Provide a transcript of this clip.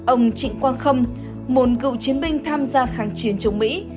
ông trịnh quang khâm một cựu chiến binh tham gia kháng chiến chống mỹ